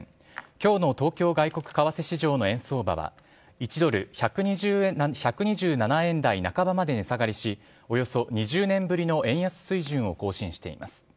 きょうの東京外国為替市場の円相場は、１ドル１２７円台半ばまで値下がりし、およそ２０年ぶりの円安水準を更新しています。